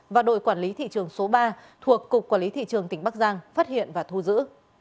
và đội quản lý thị trường số ba thuộc cục quản lý thị trường tỉnh bắc giang phát hiện và thu giữ